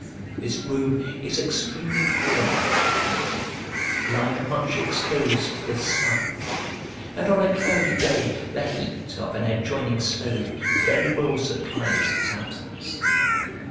This room is extremely warm in winter, lying much exposed to the sun, and on a cloudy day the heat of an adjoining stove very well supplies his absence.